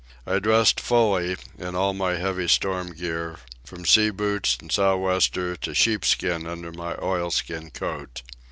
I dressed fully, in all my heavy storm gear, from sea boots and sou' wester to sheepskin under my oilskin coat.